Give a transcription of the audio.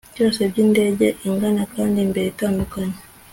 Byose byindege ingana kandi imbere itandukanye